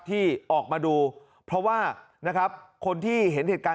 ที่ออกมาดูเพราะว่านะครับคนที่เห็นเหตุการณ์